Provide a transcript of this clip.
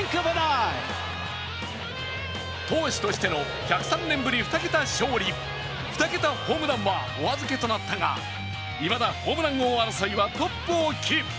投手としての１０３年ぶり２桁勝利、２桁ホームランはお預けとなったが、いまだホームラン王争いはトップをキープ。